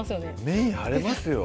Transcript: メイン張れますよ